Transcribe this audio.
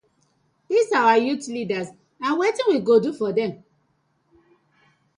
Dis our youth leaders na wetin we go do for dem.